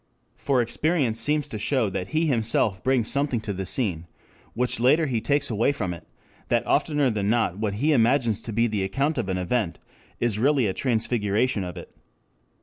] For experience seems to show that he himself brings something to the scene which later he takes away from it, that oftener than not what he imagines to be the account of an event is really a transfiguration of it.